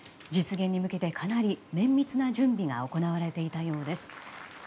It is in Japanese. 実現に向けてかなり綿密な準備が行われていたようです。